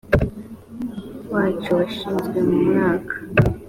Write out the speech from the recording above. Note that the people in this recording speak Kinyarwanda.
wacu washinzwe mu mwaka